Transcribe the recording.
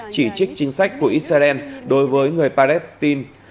chỉ trích chính sách của israel đối với người palestine